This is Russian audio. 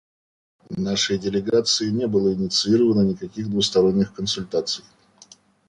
Нашей делегацией не было инициировано никаких двусторонних консультаций.